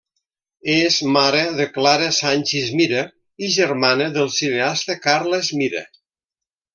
És mare de Clara Sanchis Mira i germana del cineasta Carles Mira.